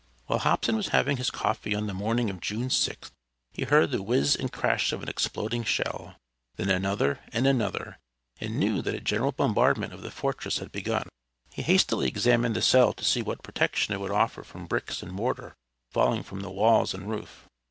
While Hobson was having his coffee on the morning of June 6th, he heard the whiz and crash of an exploding shell, then another, and another, and knew that a general bombardment of the fortress had begun. He hastily examined the cell to see what protection it would offer from bricks and mortar falling from the walls and roof.